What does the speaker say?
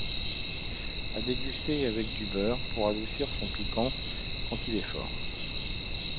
A déguster avec du beurre pour adoucir son piquant quand il est fort.